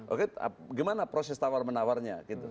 oke gimana proses tawar menawarnya gitu